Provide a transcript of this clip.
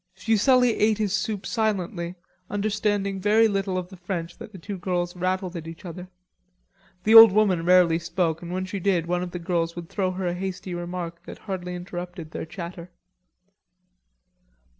Fuselli ate his soup silently understanding very little of the French that the two girls rattled at each other. The old woman rarely spoke and when she did one of the girls would throw her a hasty remark that hardly interrupted their chatter.